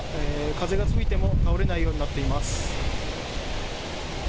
風が吹いても倒れないようになっています。